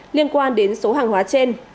liên quan đến số hàng hóa trên